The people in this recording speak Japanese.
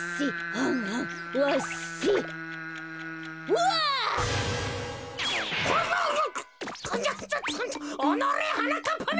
うわっ！